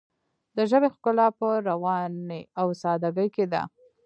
د ژبې ښکلا په روانۍ او ساده ګۍ کې ده.